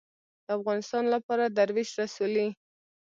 د افغانستان لپاره دروېش رسولې